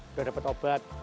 sudah dapat obat